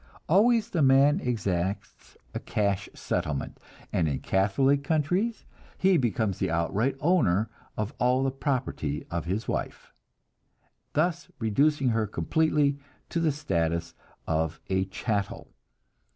Always the man exacts a cash settlement, and in Catholic countries he becomes the outright owner of all the property of his wife, thus reducing her completely to the status of a chattel.